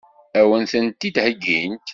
Ad wen-tent-id-heggint?